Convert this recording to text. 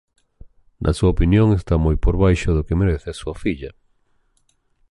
Na súa opinión está moi por baixo do que merece a súa filla.